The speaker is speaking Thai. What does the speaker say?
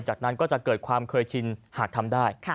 จากนั้นก็จะเกิดความเคยชินหากทำได้